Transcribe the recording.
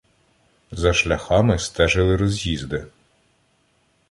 За шляхами стежили роз'їзди.